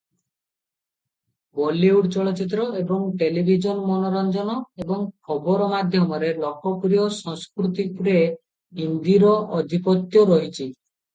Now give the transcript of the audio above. ବଲିଉଡ ଚଳଚ୍ଚିତ୍ର ଏବଂ ଟେଲିଭିଜନ ମନୋରଞ୍ଜନ ଏବଂ ଖବର ମାଧ୍ୟମରେ ଲୋକପ୍ରିୟ ସଂସ୍କୃତିରେ ହିନ୍ଦୀର ଆଧିପତ୍ୟ ରହିଛି ।